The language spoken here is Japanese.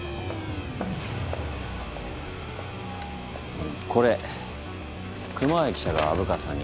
あのこれ熊谷記者が虻川さんに？